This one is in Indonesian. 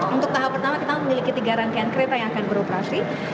untuk tahap pertama kita memiliki tiga rangkaian kereta yang akan beroperasi